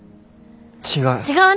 違う。